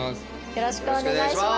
よろしくお願いします。